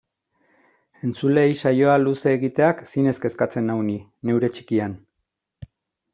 Entzuleei saioa luze egiteak zinez kezkatzen nau ni, neure txikian.